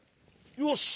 よし。